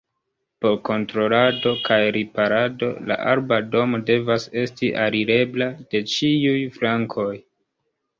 Por kontrolado kaj riparado la arba domo devas esti alirebla de ĉiuj flankoj.